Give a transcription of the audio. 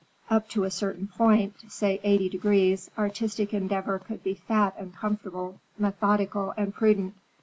Up to a certain point, say eighty degrees, artistic endeavor could be fat and comfortable, methodical and prudent.